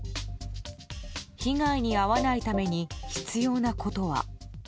被害に遭わないために必要なことは。